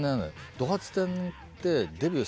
怒髪天ってデビュー